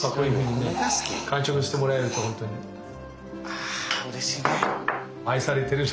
あうれしいね。